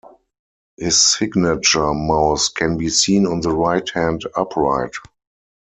His signature mouse can be seen on the right hand upright.